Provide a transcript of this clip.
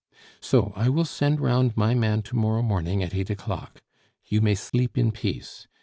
So I will send round my man to morrow morning at eight o'clock.... You may sleep in peace.